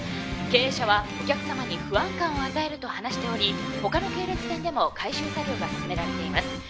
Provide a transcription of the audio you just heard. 経営者はお客さまに不安感を与えると話しておりほかの系列店でも回収作業が進められています。